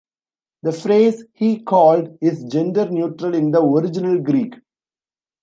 The phrase "he called" is gender neutral in the original Greek.